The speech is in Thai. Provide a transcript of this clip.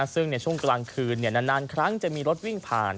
ซึ่งในช่วงกลางคืนนานครั้งจะมีรถวิ่งผ่าน